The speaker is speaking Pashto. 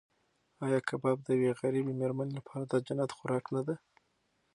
ایا کباب د یوې غریبې مېرمنې لپاره د جنت خوراک نه دی؟